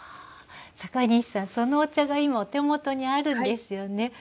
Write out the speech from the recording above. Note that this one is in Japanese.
阪西さんそのお茶が今お手元にあるんですよね。